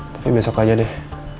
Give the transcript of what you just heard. tapi besok aja deh